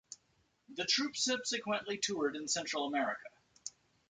The troupe subsequently toured in Central America.